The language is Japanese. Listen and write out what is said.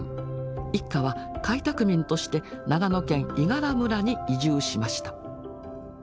一家は開拓民として長野県伊賀良村に移住しました。